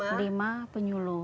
ada lima penyuluh